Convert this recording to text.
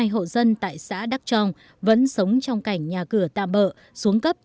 ba mươi hai hộ dân tại xã đắc trong vẫn sống trong cảnh nhà cửa tạm bợ xuống cấp